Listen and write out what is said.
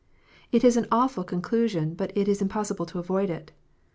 It is an awful conclusion, but it is impossible to avoid it.